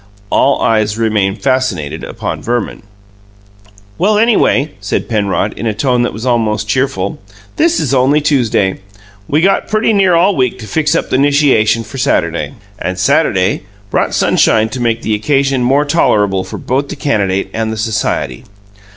All eyes remained fascinated upon Verman. "Well, anyway," said Penrod, in a tone that was almost cheerful, "this is only Tuesday. We got pretty near all week to fix up the 'nishiation for Saturday." And Saturday brought sunshine to make the occasion more tolerable for both the candidate and the society.